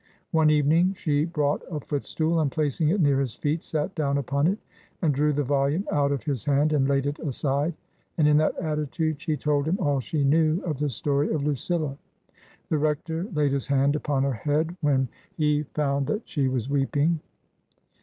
One evening she brought a footstool and, placing it near his feet, sat down upon it, and drew the volume out of his hand and laid it aside. And in that attitude she told him all she knew of the story of Lucilla. The rector laid his hand upon her head when he found that she was weeping.